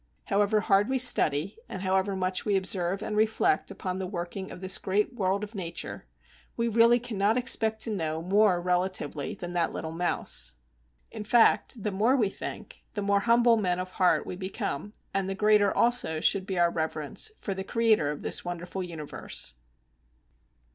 However hard we study, and however much we observe and reflect upon the working of this great world of Nature, we really cannot expect to know more relatively than that little mouse. In fact, the more we think, the more humble men of heart we become, and the greater also should be our reverence for the Creator of this wonderful universe.